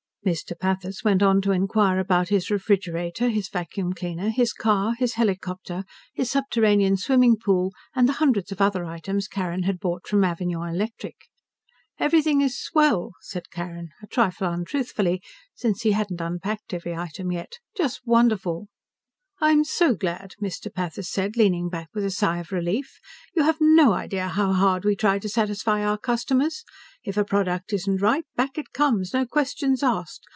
Mr. Pathis went on to inquire about his refrigerator, his vacuum cleaner, his car, his helicopter, his subterranean swimming pool, and the hundreds of other items Carrin had bought from Avignon Electric. "Everything is swell," Carrin said, a trifle untruthfully since he hadn't unpacked every item yet. "Just wonderful." "I'm so glad," Mr. Pathis said, leaning back with a sigh of relief. "You have no idea how hard we try to satisfy our customers. If a product isn't right, back it comes, no questions asked.